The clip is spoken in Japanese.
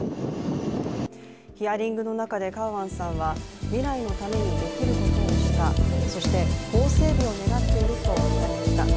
ヒアリングの中でカウアンさんは未来のためにできることをしたそして、法整備を願っていると訴えました。